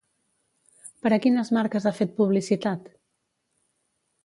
Per a quines marques ha fet publicitat?